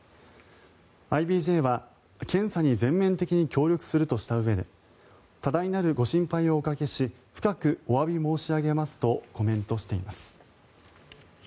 ＩＢＪは、検査に全面的に協力するとしたうえで多大なるご心配をおかけし深くおわび申し上げますとコメントしています。